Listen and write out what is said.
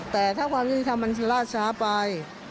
แต่ถ้าความยุติธรรมมันล่าช้าไป